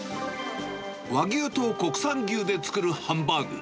和牛と国産牛で作るハンバーグ。